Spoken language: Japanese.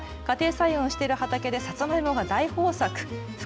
家庭菜園をしている畑でサツマイモが大豊作。